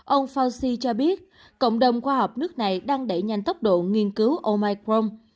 ông fauci cho biết cộng đồng khoa học nước này đang đẩy nhanh tốc độ nghiên cứu omaicron